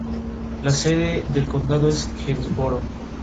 Este volumen de "La rueda del tiempo" representa varias tramas distintas.